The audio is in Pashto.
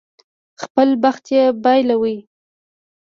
خپل بخت یې بایلود.